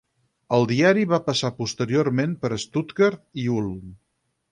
El diari va passar posteriorment per Stuttgart i Ulm.